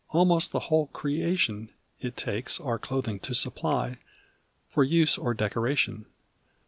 Almost the whole creation It takes our clothing to supply For use or decoration.